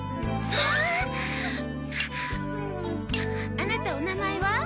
あなたお名前は？